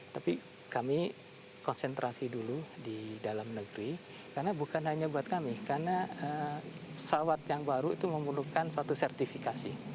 tapi kami konsentrasi dulu di dalam negeri karena bukan hanya buat kami karena pesawat yang baru itu memerlukan suatu sertifikasi